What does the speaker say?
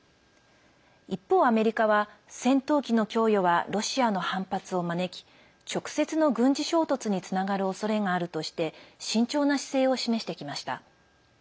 一方、アメリカは戦闘機の供与はロシアの反発を招き直接の軍事衝突につながるおそれがあるとして慎重な姿勢を示してきました。